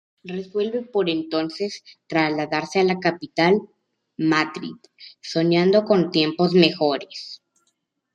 Resuelve por ese entonces trasladarse a la capital, Madrid, soñando con tiempos mejores.